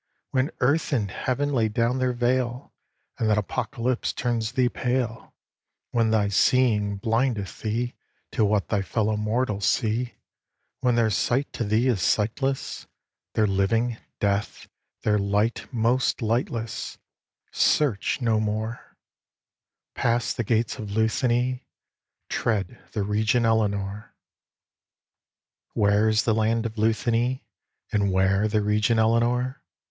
When earth and heaven lay down their veil, And that apocalypse turns thee pale; When thy seeing blindeth thee To what thy fellow mortals see; When their sight to thee is sightless; Their living, death; their light, most lightless; Search no more Pass the gates of Luthany, tread the region Elenore." Where is the land of Luthany, And where the region Elenore?